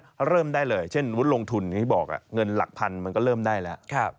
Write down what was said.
ก็เริ่มได้เลยเช่นวุฒิลงทุนอย่างที่บอกเงินหลักพันมันก็เริ่มได้แล้ว